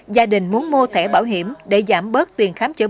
gia đình muốn mua thẻ bảo hiểm để giảm bớt tiền khám chứng